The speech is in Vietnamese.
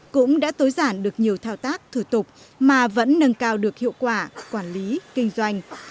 cũng đã tối giản được nhiều thao tác thử tục mà vẫn nâng cao được hiệu quả quản lý kinh doanh